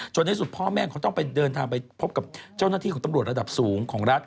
ในที่สุดพ่อแม่เขาต้องไปเดินทางไปพบกับเจ้าหน้าที่ของตำรวจระดับสูงของรัฐ